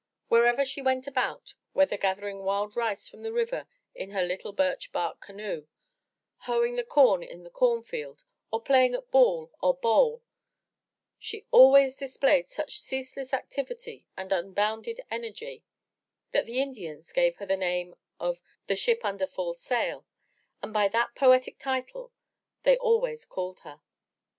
Wherever she went about, whether gathering wild rice from the river in her little birch bark canoe, hoeing the com in the cornfield, or playing at ball or bowl, she 376 THE TREASURE CHEST always displayed such ceaseless activity and unbounded energy, that the Indians gave her the name of The Ship Under Full Sail, and by that poetic title they always called her.